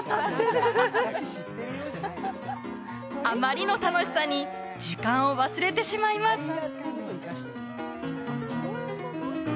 あまりの楽しさに時間を忘れてしまいます。